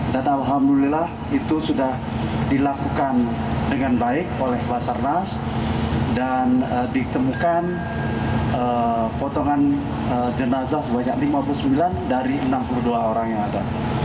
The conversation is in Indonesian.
dan alhamdulillah itu sudah dilakukan dengan baik oleh basarnas dan ditemukan potongan jenazah sebanyak lima puluh sembilan dari enam puluh dua orang yang ada